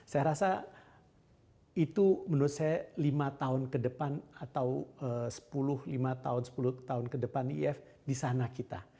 saya rasa itu menurut saya lima tahun ke depan atau sepuluh lima tahun sepuluh tahun ke depan if di sana kita